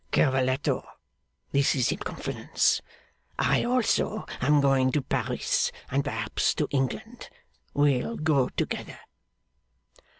'Cavalletto. This is in confidence. I also am going to Paris and perhaps to England. We'll go together.